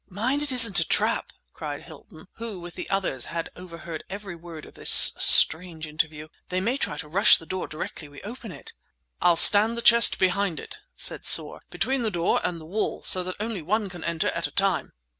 "Mind it isn't a trap!" cried Hilton, who, with the others, had overheard every word of this strange interview. "They may try to rush the door directly we open it." "I'll stand the chest behind it," said Soar; "between the door and the wall, so that only one can enter at a time."